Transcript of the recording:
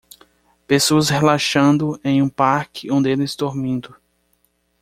Pessoas relaxando em um parque um deles dormindo